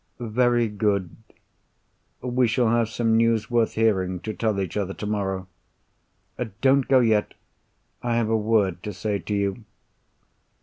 "Very good. We shall have some news worth hearing, to tell each other tomorrow. Don't go yet! I have a word to say to you.